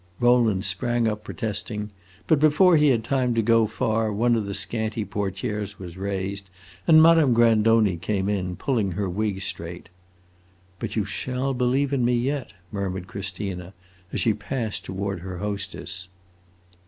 Rowland sprang up, protesting, but before he had time to go far one of the scanty portieres was raised, and Madame Grandoni came in, pulling her wig straight. "But you shall believe in me yet," murmured Christina, as she passed toward her hostess.